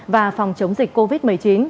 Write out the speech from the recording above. và phòng chống dịch covid một mươi chín